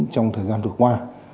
trong thời gian vừa qua